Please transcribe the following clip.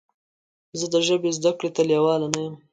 زه د ژبې زده کړې ته لیواله نه یم.